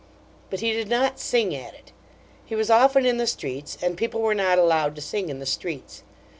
But he did not sing at it. He was often in the streets, and people were not allowed to sing in the streets.